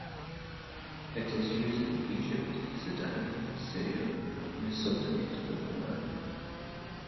It is used in Egypt, Sudan, Syria and the Sultanate of Oman.